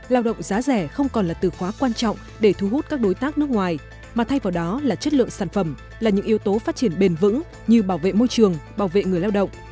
lao động giá rẻ không còn là từ khóa quan trọng để thu hút các đối tác nước ngoài mà thay vào đó là chất lượng sản phẩm là những yếu tố phát triển bền vững như bảo vệ môi trường bảo vệ người lao động